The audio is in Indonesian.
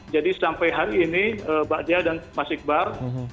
jadi sampai hari ini pak dea dan mas iqbar